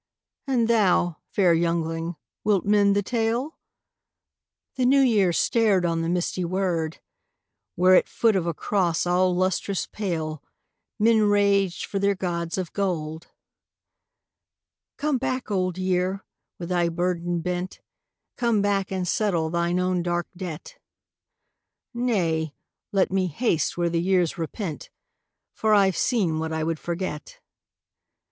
And thou, fair youngling, wilt mend the tale? " The New Year stared on the misty wold, Where at foot of a cross all lustrous pale Men raged for their gods of gold. " Come back, Old Year, with thy burden bent. Come back and settle thine own dark debt." " Nay, let me haste where the years repent, For I ve seen what I would forget."